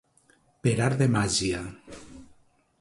Per art de màgia.